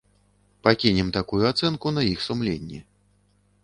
Пакінем такую ацэнку на іх сумленні.